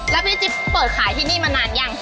แล้วพี่จิ๊บเปิดขายที่นี่มานานยัง